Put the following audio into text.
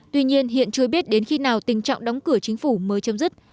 tuy nhiên hiện chưa biết đến khi nào tình trạng đóng cửa chính phủ mới chấm dứt